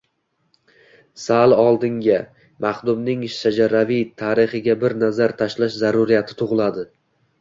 sal oldinga – maxdumning shajaraviy tarixiga bir nazar tashlash zaruriyati tug’iladi.